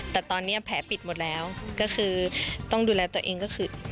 แต่ตอนนี้แผลปิดหมดแล้วก็คือต้องดูแลตัวเองก็คือ